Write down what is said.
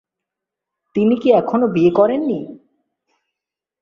তিনি কি এখনো বিয়ে করেননি?